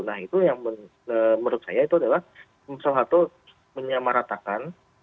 nah itu yang menurut saya itu adalah salah satu menyamaratakan